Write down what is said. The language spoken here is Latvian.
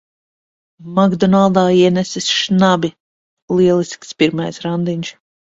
"Makdonaldā" ienesis šnabi! Lielisks pirmais randiņš.